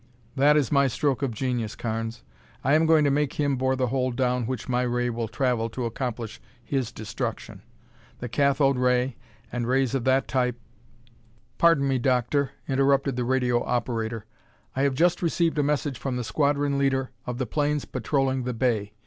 "That is my stroke of genius, Carnes. I am going to make him bore the hole down which my ray will travel to accomplish his destruction. The cathode ray and rays of that type ""Pardon me, Doctor," interrupted the radio operator. "I have just received a message from the squadron leader of the planes patrolling the bay.